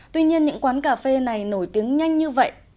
tuy nhiên những quán cà phê này nổi tiếng nhanh như vậy